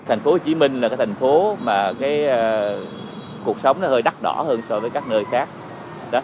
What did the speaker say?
tp hcm là cái thành phố mà cái cuộc sống nó hơi đắt đỏ hơn so với các nơi khác